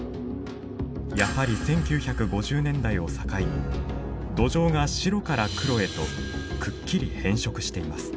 やはり１９５０年代を境に土壌が白から黒へとくっきり変色しています。